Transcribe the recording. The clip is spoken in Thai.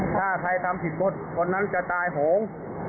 ถ้าใครทำผิดบทคนมันจะตายหง